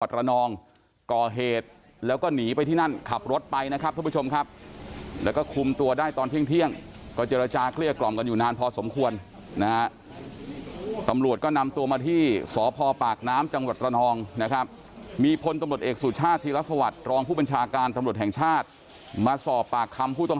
ระนองก่อเหตุแล้วก็หนีไปที่นั่นขับรถไปนะครับทุกผู้ชมครับแล้วก็คุมตัวได้ตอนเที่ยงเที่ยงก็เจรจาเกลี้ยกล่อมกันอยู่นานพอสมควรนะฮะตำรวจก็นำตัวมาที่สพปากน้ำจังหวัดระนองนะครับมีพลตำรวจเอกสุชาติธีรสวัสดิ์รองผู้บัญชาการตำรวจแห่งชาติมาสอบปากคำผู้ต้อง